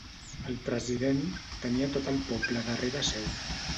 El president tenia tot el poble darrere seu.